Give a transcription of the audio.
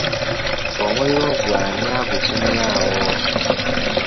Omuliro ogwo ani agukumye awo?